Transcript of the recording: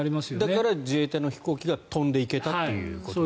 だから自衛隊の飛行機が飛んでいけたということですね。